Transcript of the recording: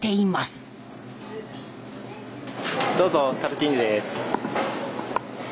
どうぞ！